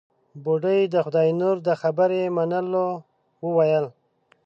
بوډۍ د خداينور د خبرې منلو وويل.